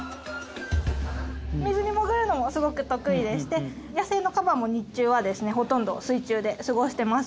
水に潜るのもすごく得意でして野生のカバも日中はですねほとんど水中で過ごしてます。